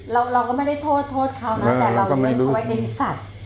เราก็ไม่ได้โทษเวลานั้นแต่เรายึ่งเข้าไว้ในพิสัทธ์